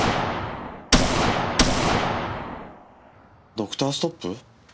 ドクターストップ？